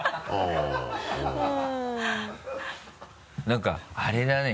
何かあれだね